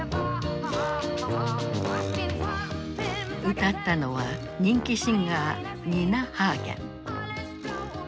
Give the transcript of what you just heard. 歌ったのは人気シンガーニナ・ハーゲン。